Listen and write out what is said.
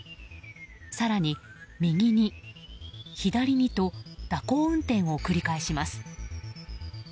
更に右に左にと蛇行運転を繰り返します。